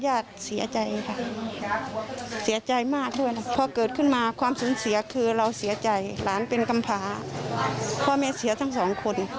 ญาติเสียใจค่ะเสียใจมากด้วยนะพอเกิดขึ้นมาความสูญเสียคือเราเสียใจหลานเป็นกำพาพ่อแม่เสียทั้งสองคน